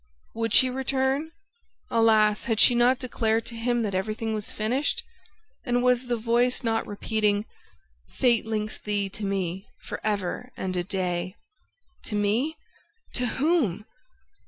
... Would she return? Alas, had she not declared to him that everything was finished? And was the voice not repeating: "Fate links thee to me for ever and a day!" To me? To whom?